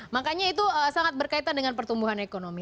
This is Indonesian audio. makanya itu sangat berkaitan dengan pertumbuhan ekonomi